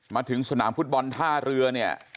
มาถึงสนามฟุตบอลท่าเรือเนี่ย